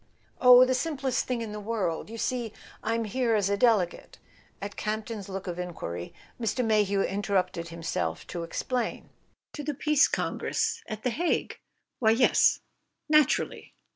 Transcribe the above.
"Oh, the simplest thing in the world. You see, I'm here as a Delegate " At Campton's look of enquiry, Mr. Mayhew interrupted himself to explain: "To the Peace Congress at The Hague why, yes: naturally.